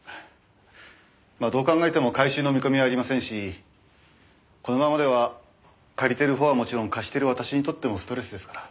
まあどう考えても回収の見込みはありませんしこのままでは借りてる方はもちろん貸してる私にとってもストレスですから。